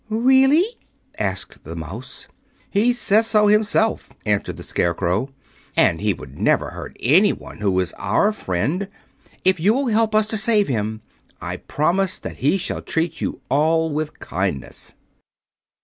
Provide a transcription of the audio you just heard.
"Really?" asked the Mouse. "He says so himself," answered the Scarecrow, "and he would never hurt anyone who is our friend. If you will help us to save him I promise that he shall treat you all with kindness."